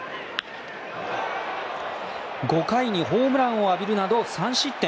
５回にホームランを浴びるなど３失点。